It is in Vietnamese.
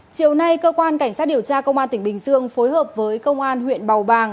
chiều nay cơ quan cảnh sát điều tra công an tỉnh bình dương phối hợp với công an huyện bào bàng